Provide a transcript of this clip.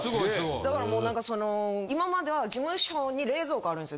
だからもう何かその今までは事務所に冷蔵庫あるんですよ